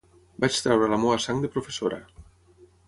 Vaig traure la meua sang de professora.